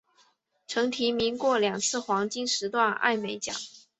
曾提名过两次黄金时段艾美奖。